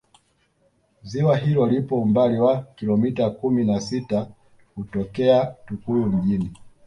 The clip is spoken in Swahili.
ziwa hilo lipo umbali wa Kilomita kumi na sita kutokea tukuyu mjini